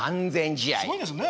すごいですね。